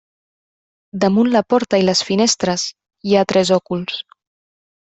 Damunt la porta i les finestres hi ha tres òculs.